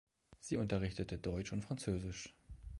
Sie unterrichtete Deutsch und Französisch.